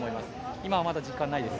今はまだ時間がないです。